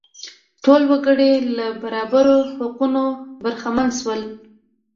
ټول وګړي له برابرو حقونو برخمن شول.